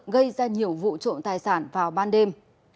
gây ra nhiều vụ trộm tài sản vào ban đêm